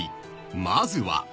まずは］